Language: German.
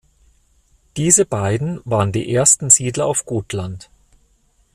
Diese beiden waren die ersten Siedler auf Gotland.